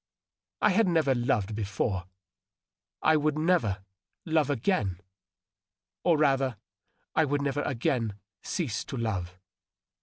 I had never loved before ; I would never love again — or, rather, I would never again cease to love.